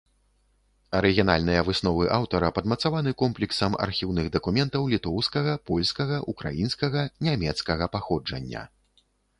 Арыгінальныя высновы аўтара падмацаваны комплексам архіўных дакументаў літоўскага, польскага, украінскага, нямецкага паходжання.